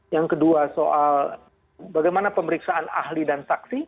yang kedua soal bagaimana pemeriksaan ahli dan saksi